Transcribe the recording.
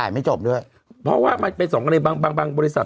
ไปไม่จบด้วยเพราะว่าเป็นสองกระนึกบ้างบางบางบันดุบริสัทฯ